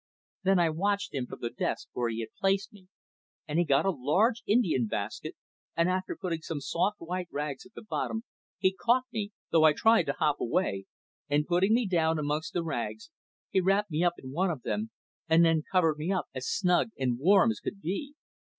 Then I watched him from the desk, where he had placed me, and he got a large Indian basket, and after putting some soft white rags at the bottom, he caught me though I tried to hop away and putting me down amongst the rags, he wrapped me up in one of them, and then covered me up as snug and warm as could be.